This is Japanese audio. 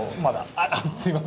あっすいません。